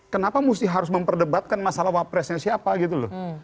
kenapa mesti harus memperdebatkan masalah wapresnya siapa gitu loh